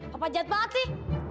papa jahat banget sih